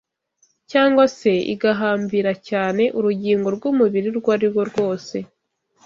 cyangwa se igahambira cyane urugingo rw’umubiri urwo ari rwo rwose